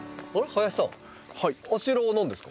林さんあちらは何ですか？